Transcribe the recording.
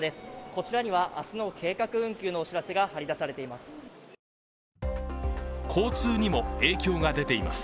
こちらには明日の計画運休のお知らせが貼り出されています。